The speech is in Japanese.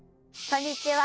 ・こんにちは。